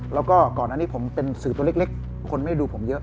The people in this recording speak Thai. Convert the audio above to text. แล้วก็ก่อนอันนี้ผมเป็นสื่อตัวเล็กคนไม่ดูผมเยอะ